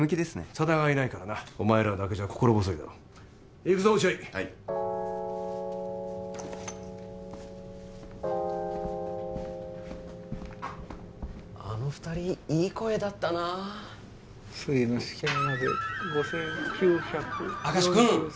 佐田がいないからなお前らだけじゃ心細いだろ行くぞ落合はいあの二人いい声だったな次の試験まで５９４３時間明石君